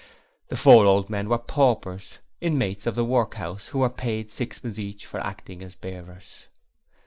The four old men were paupers inmates of the workhouse, who were paid sixpence each for acting as bearers.